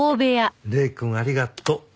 礼くんありがとう。